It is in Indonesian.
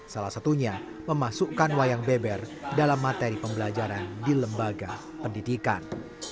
salah satunya memasukkan wayang beber dalam materi pembelajaran di lembaga pendidikan